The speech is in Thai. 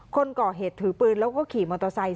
คนก่อเหตุถือปืนแล้วก็ขี่มอเตอร์ไซค์